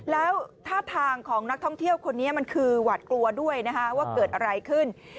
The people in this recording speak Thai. แล้วท่าทางของนักท่องเที่ยวคนนี้มันคือหวัดกลัวด้วยนะคะว่าเกิดอะไรขึ้น